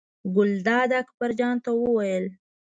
ګلداد اکبر جان ته وویل.